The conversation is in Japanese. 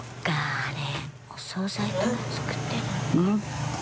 あれお総菜とか作ってるのか。